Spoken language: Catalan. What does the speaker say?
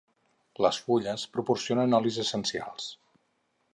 Les fulles proporcionen olis essencials.